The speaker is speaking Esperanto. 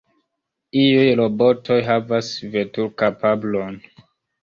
Iuj robotoj havas veturkapablon.